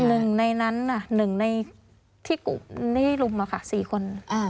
หนึ่งในนั้นน่ะหนึ่งในที่รุมมาค่ะสี่คน